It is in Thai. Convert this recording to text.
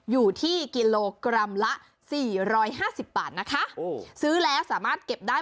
อยู่ที่กิโลกรัมละสี่ร้อยห้าสิบบาทนะคะโอ้ซื้อแล้วสามารถเก็บได้